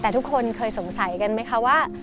แต่ทุกคนเคยสงสัยกันไหมคะว่า